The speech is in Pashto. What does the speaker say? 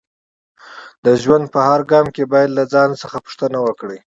د ژوند په هر ګام کې باید له ځان څخه پوښتنه وکړئ